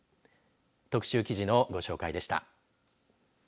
特集記事のご紹介でした。